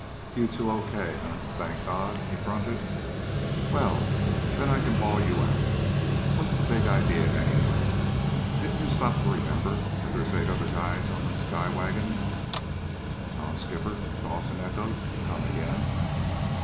"You two okay, eh, thank God!" he grunted. "Well, then I can bawl you out. What was the big idea, anyway? Didn't you stop to remember that there're eight other guys on this sky wagon?" "Huh, Skipper?" Dawson echoed. "Come again?"